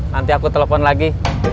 nanti aku telepon lagi